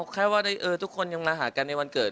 แค่ว่าทุกคนยังมาหากันในวันเกิด